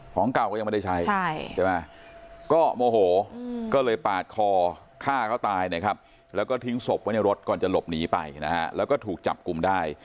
ของเก่าก็ยังไม่ได้ใช้ใช่ไหมก็โมโหก็เลยปาดคอฆ่าเขาตายนะครับแล้วก็ทิ้งศพไว้ในรถก่อนจะหลบหนีไปนะฮะแล้วก็ถูกจับกลุ่มได้